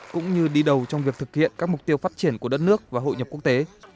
cũng như đi đầu trong việc thực hiện các mục tiêu phát triển của đất nước và hội nhập quốc tế